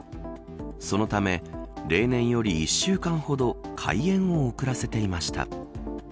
そのため例年より１週間ほど開園を遅らせていました。